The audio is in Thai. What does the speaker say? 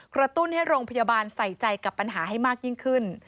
กระตุ้นให้โรงพยาบาลใส่ใจกับปัญหาให้มากยิ่งขึ้น